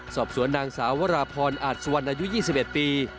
สอบสวนนางสาววราพรอาจสุวรรณอายุ๒๑ปี